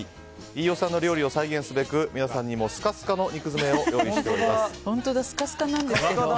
飯尾さんの料理を再現すべく皆さんにもスカスカの肉詰めを本当だ。